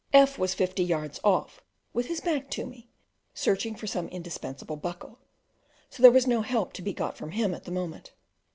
F was fifty yards off, with his back to me, searching for some indispensable buckle; so there was no help to be got from him at the moment.